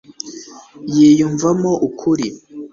yiyumvamo ukuri